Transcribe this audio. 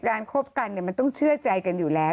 คบกันมันต้องเชื่อใจกันอยู่แล้ว